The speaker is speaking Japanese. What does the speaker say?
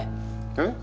えっ？